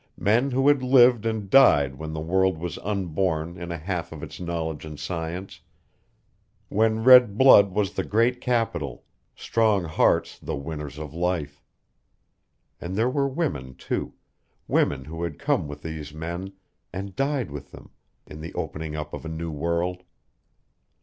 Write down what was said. Men who had lived and died when the world was unborn in a half of its knowledge and science, when red blood was the great capital, strong hearts the winners of life. And there were women, too, women who had come with these men, and died with them, in the opening up of a new world.